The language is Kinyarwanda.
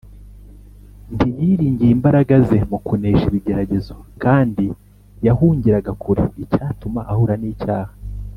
Nti yiringiye imbaraga ze mu kunesha ibigeragezo, kandi yahungiraga kure icyatuma ahura n’icyaha,